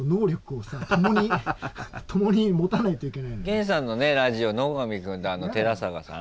源さんのラジオ野上君と寺坂さん